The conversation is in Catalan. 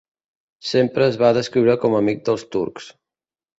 Sempre es va descriure com amic dels turcs.